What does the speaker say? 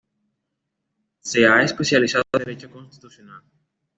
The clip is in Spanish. Se ha especializado en Derecho constitucional.